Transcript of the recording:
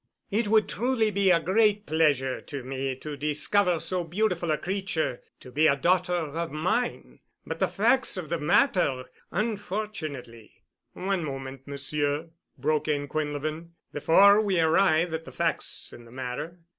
It would truly be a great pleasure to me to discover so beautiful a creature to be a daughter of mine, but the facts of the matter unfortunately——" "One moment, Monsieur," broke in Quinlevin, "before we arrive at the facts in the matter.